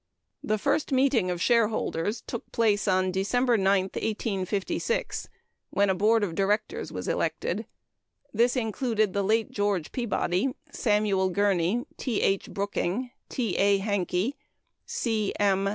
The first meeting of shareholders took place on December 9, 1856, when a board of directors was elected. This included the late George Peabody, Samuel Gurney, T. H. Brooking, T. A. Hankey, C. M.